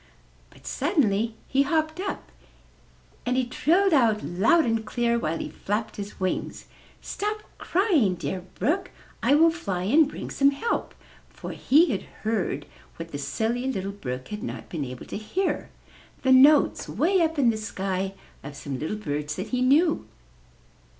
But suddenly he hopped up, and he trilled out loud and clear, while he flapped his wings, ''Stop crying, dear Brook; I will fly and bring some help,*' for he had heard what the Silly Little Brook had not been able to hear — the notes way up in the sky of some little birds that he knew.